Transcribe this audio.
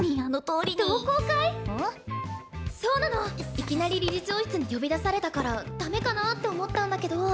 いきなり理事長室に呼び出されたからダメかなあって思ったんだけど。